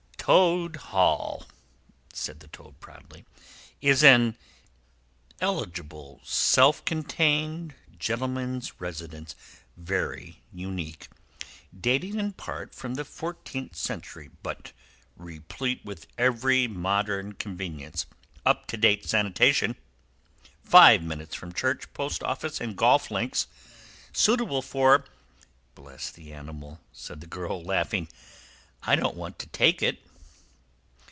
"Toad Hall," said the Toad proudly, "is an eligible self contained gentleman's residence very unique; dating in part from the fourteenth century, but replete with every modern convenience. Up to date sanitation. Five minutes from church, post office, and golf links, Suitable for——" "Bless the animal," said the girl, laughing, "I don't want to take it.